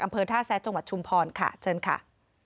อำเภอท่าแซะจังหวัดชุมพรค่ะเชิญค่ะ